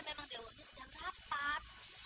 memang dewo nya sedang rapat